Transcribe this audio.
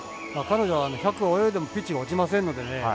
彼女は１００泳いでもピッチが落ちませんのでね。